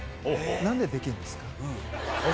なんでできるんですか？